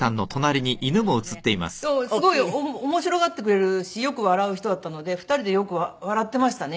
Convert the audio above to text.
でもすごい面白がってくれるしよく笑う人だったので２人でよく笑ってましたね